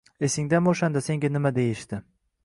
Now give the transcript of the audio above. Esingdami o‘shanda senga nima deyishdi?